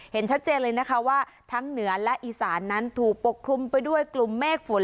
เห็นชัดเจนเลยนะคะว่าทั้งเหนือและอีสานนั้นถูกปกคลุมไปด้วยกลุ่มเมฆฝน